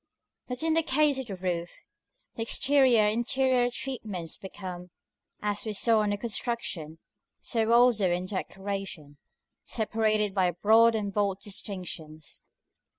But in the case of the roof, the exterior and interior treatments become, as we saw in construction, so also in decoration, separated by broad and bold distinctions.